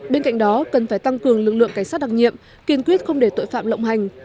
bên cạnh đó cần phải tăng cường lực lượng cảnh sát đặc nhiệm kiên quyết không để tội phạm lộng hành